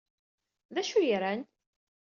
D acu ay ran?